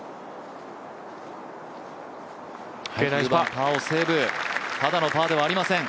パーをセーブ、ただのパーではありません。